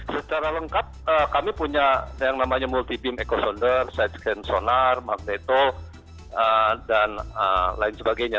secara lengkap kami punya yang namanya multi beam echo sondar side scan sonar magneto dan lain sebagainya